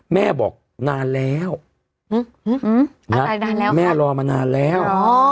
แม่บอกนานแล้วแม่รอมานานแล้ว